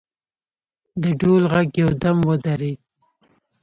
د ډول غږ یو دم ودرېد.